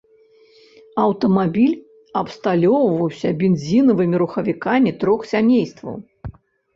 Аўтамабіль абсталёўваўся бензінавымі рухавікамі трох сямействаў.